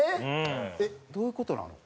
えっ？どういう事なの？